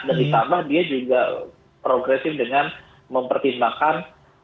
dan ditambah dia juga progresif dengan mempertimbangkan